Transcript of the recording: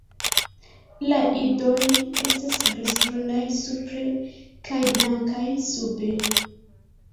La idoj estas grizbrunaj supre kaj blankaj sube.